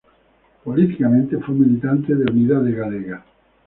Políticamente, fue militante de Unidade Galega.